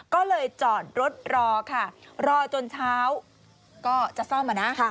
ก็เลยจอดรถรอค่ะรอจนเช้าก็จะซ่อม